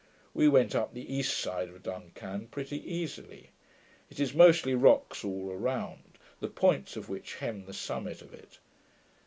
We went up the east side of Dun Can pretty easily. It is mostly rocks all around, the points of which hem the summit of it.